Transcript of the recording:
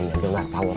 saya denger matt